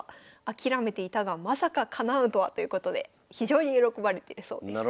諦めていたがまさかかなうとは」ということで非常に喜ばれてるそうです。